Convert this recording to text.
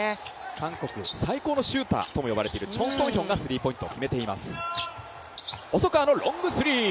韓国、最高のシューターとも呼ばれているチョン・ソンヒョンがスリーポイントを決めています。